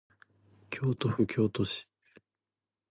京都府京都市